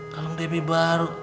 kalung debbie baru